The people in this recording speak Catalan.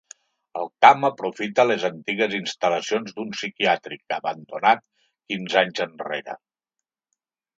El camp aprofita les antigues instal·lacions d’un psiquiàtric abandonat quinze anys enrere.